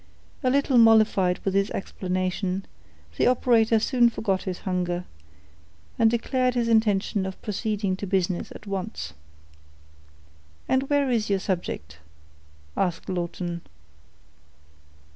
A little mollified with this explanation, the operator soon forgot his hunger, and declared his intention of proceeding to business at once. "And where is your subject?" asked Lawton.